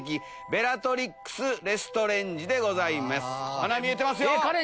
鼻見えてますよ！